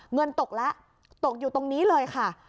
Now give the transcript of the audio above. เงินตกแล้วตกอยู่ตรงนี้เลยค่ะ